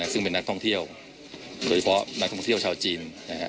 ซึ่งเป็นนักท่องเที่ยวโดยเฉพาะนักท่องเที่ยวชาวจีน